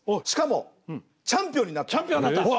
しかもチャンピオンになった。